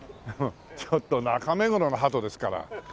ちょっと中目黒のハトですから。